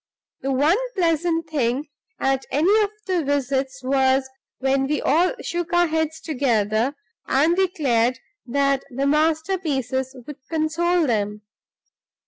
The one pleasant thing at any of the visits was when we all shook our heads together, and declared that the masterpieces would console them.